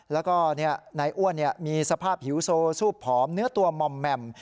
แล้วก็นายอ้วนมีสภาพหิวโซซูบผอมเนื้อตัวหม่อมแหม่ม